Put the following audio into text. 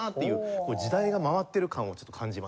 時代が回ってる感をちょっと感じますね。